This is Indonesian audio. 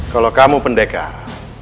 kalau kamu pendekar